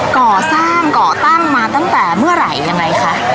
ก่อสร้างก่อตั้งมาตั้งแต่เมื่อไหร่ยังไงคะ